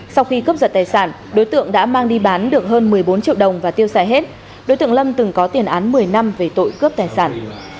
sau khi cướp giật tài sản đối tượng đã mang đi bán được hơn một mươi bốn triệu đồng và tiêu xài hết đối tượng lâm từng có tiền án một mươi năm về tội cướp tài sản